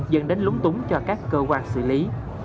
dẫn đến lúng túng cho các cơ quan xử lý